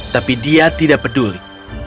tapi dia tidak peduli